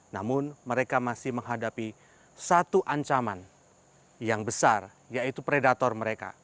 namun mereka masih menghadapi satu ancaman yang besar yaitu predator mereka